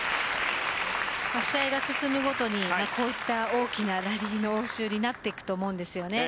試合が進むごとに大きなラリーの応酬になってくると思うんですよね。